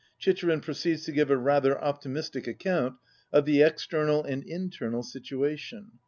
Chicherin proceeds to give a rather optimistic account of the external and internal situation.